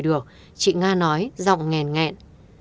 được chị nga nói giọng nghẹn nghẹn